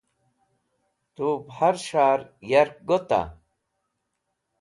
Tub her s̃har yark gota?